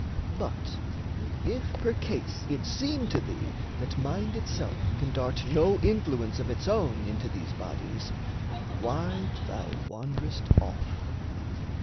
But, if percase it seem to thee that mind Itself can dart no influence of its own Into these bodies, wide thou wand'rest off.